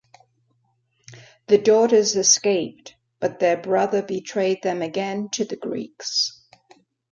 The daughters escaped, but their brother betrayed them again to the Greeks.